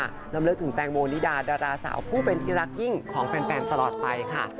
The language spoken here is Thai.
ลำลึกถึงแตงโมนิดาดาราสาวผู้เป็นที่รักยิ่งของแฟนตลอดไปค่ะ